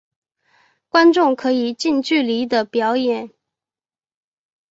观众可以近距离地欣赏表演。